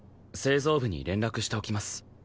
製造部に連絡しておきます。